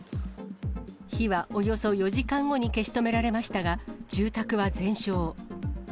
火はおよそ４時間後に消し止められましたが、住宅は全焼。